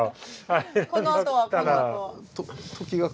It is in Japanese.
このあとは。